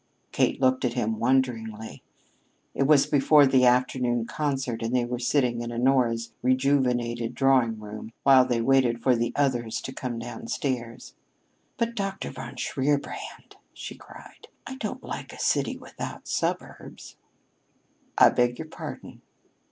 Kate looked at him wonderingly. It was before the afternoon concert and they were sitting in Honora's rejuvenated drawing room while they waited for the others to come downstairs. "But, Dr. von Shierbrand!" she cried, "I don't like a city without suburbs!" "I beg your pardon!"